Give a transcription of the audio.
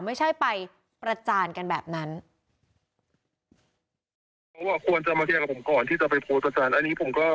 ไม่ใช่ไปประจานกันแบบนั้น